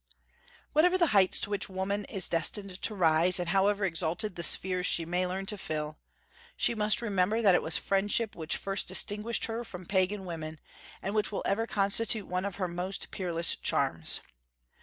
Whatever the heights to which woman is destined to rise, and however exalted the spheres she may learn to fill, she must remember that it was friendship which first distinguished her from Pagan women, and which will ever constitute one of her most peerless charms.